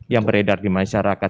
yang beredar di masyarakat